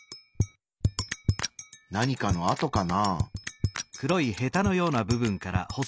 何かのあとかな？